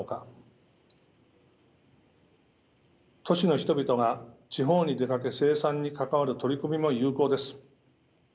都市の人々が地方に出かけ生産に関わる取り組みも有効です。